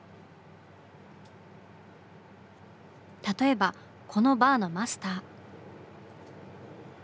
例えばこのバーのマスター。